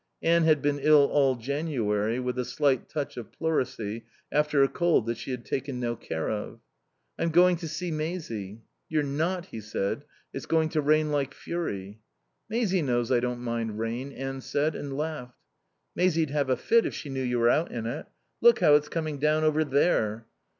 Anne had been ill all January with a slight touch of pleurisy after a cold that she had taken no care of. "I'm going to see Maisie." "You're not," he said. "It's going to rain like fury." "Maisie knows I don't mind rain," Anne said, and laughed. "Maisie'd have a fit if she knew you were out in it. Look, how it's coming down over there."